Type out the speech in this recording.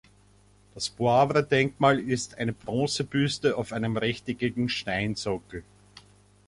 Das Poivre-Denkmal ist eine Bronzebüste auf einem rechteckigen Steinsockel.